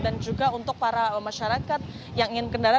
dan juga untuk para masyarakat yang ingin kendara